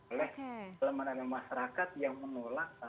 oleh masyarakat yang menolak